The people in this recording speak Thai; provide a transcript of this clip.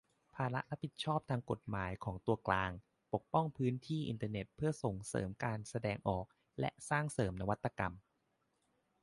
ภาระรับผิดทางกฎหมายของตัวกลาง : ปกป้องพื้นที่อินเทอร์เน็ตเพื่อส่งเสริมการแสดงออกและสร้างสรรค์นวัตกรรม